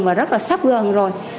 và rất là sắp gần rồi